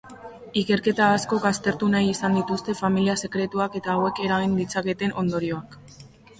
Ikerketa askok aztertu nahi izan dituzte familia sekretuak eta hauek eragin ditzaketen ondorioak.